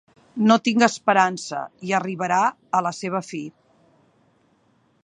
No tinc esperança, i arribarà a la seva fi.